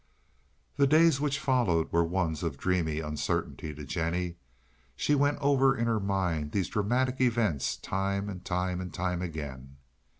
The days which followed were ones of dreamy uncertainty to Jennie. She went over in her mind these dramatic events time and time and time and again.